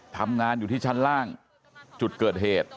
ทำงานอยู่ที่ชั้นล่างจุดเกิดเหตุ